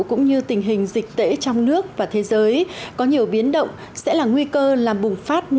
cũng như tình hình dịch tễ trong nước và thế giới có nhiều biến động sẽ là nguy cơ làm bùng phát